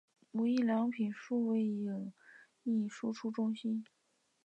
无印良品数位影印输出中心